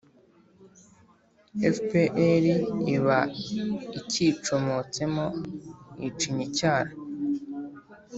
fpr iba icyicotsemo yicinya icyara.